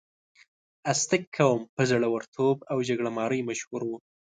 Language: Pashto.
ازتک قوم په زړورتوب او جګړې مارۍ مشهور و.